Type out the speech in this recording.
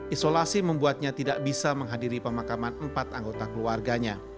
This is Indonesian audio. isolasi membuatnya tidak bisa menghadiri pemakaman empat anggota keluarganya